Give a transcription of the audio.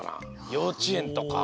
ようちえんとか。